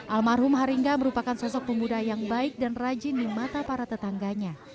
almarhum haringga merupakan sosok pemuda yang baik dan rajin di mata para tetangganya